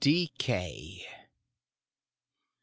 1 DECAY.